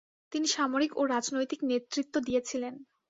তিনি সামরিক ও রাজনৈতিক নেতৃত্ব দিয়েছিলেন।